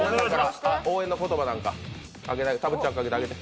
応援の言葉なんか、たぶっちゃん、かけてあげて。